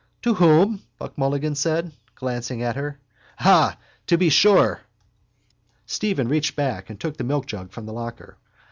—To whom? Mulligan said, glancing at her. Ah, to be sure! Stephen reached back and took the milkjug from the locker.